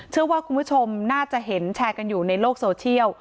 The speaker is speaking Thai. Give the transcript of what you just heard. เชื่อว่าคุณผู้ชมน่าจะเห็นแชร์กันอยู่ในโลกโซเชียล